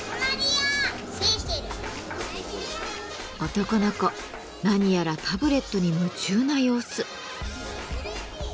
男の子何やらタブレットに夢中な様子。